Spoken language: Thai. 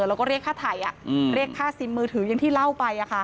แล้วก็เรียกค่าไถ่เรียกค่าซิมมือถืออย่างที่เล่าไป